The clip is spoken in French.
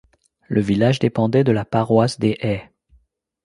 Le village dépendait de la paroisse des Haies.